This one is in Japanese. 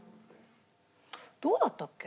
どうだったっけ？